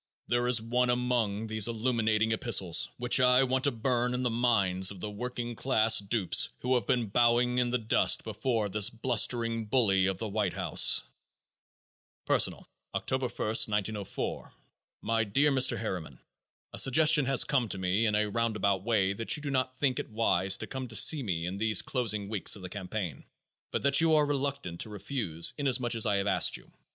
There is one among these illuminating epistles which I want to burn in the minds of the working class dupes who have been bowing in the dust before this blustering bully of the White House: "Personal. "October 1, 1904. My Dear Mr. Harriman: A suggestion has come to me in a round about way that you do not think it wise to come to see me in these closing weeks of the campaign, but that you are reluctant to refuse, inasmuch as I have asked you.